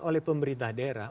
oleh pemerintah daerah